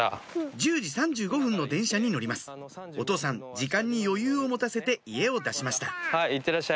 １０時３５分の電車に乗りますお父さん時間に余裕を持たせて家を出しました